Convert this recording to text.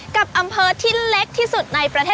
กับอำเภอที่เล็กที่สุดในประเทศ